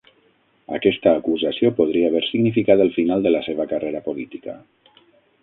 Aquesta acusació podria haver significat el final de la seva carrera política.